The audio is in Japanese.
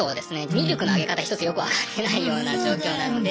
ミルクのあげ方一つよく分かってないような状況なので。